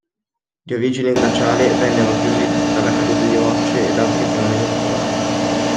Di origine glaciale, vennero chiusi dalla caduta di rocce e da altri fenomeni naturali.